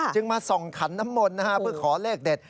มาส่องขันน้ำมนต์เพื่อขอเลขเด็ด